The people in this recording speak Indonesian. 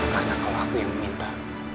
karena kalau aku yang meminta